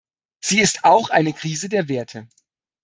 Sie ist auch eine Krise der Werte.